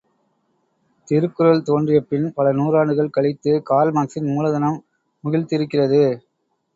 திருக்குறள் தோன்றிய பின் பல நூறாண்டுகள் கழித்து கார்ல்மார்க்சின் மூலதனம் முகிழ்த் திருக்கிறது.